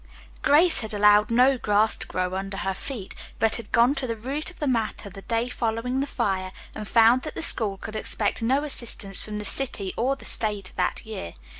Grace had allowed no grass to grow under her feet, but had gone to the root of the matter the day following the fire, and found that the school could expect no assistance from the city or the state that year.